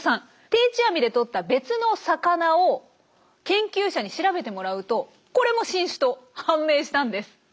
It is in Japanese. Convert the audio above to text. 定置網でとった別の魚を研究者に調べてもらうとこれも新種と判明したんです。